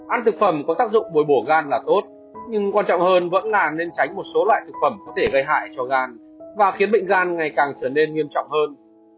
ăn thực phẩm có tác dụng bồi bổ gan là tốt nhưng quan trọng hơn vẫn là nên tránh một số loại thực phẩm có thể gây hại cho gan và khiến bệnh gan ngày càng trở nên nghiêm trọng hơn